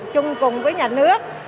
chung cùng với nhà nước